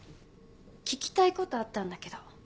聞きたいことあったんだけど。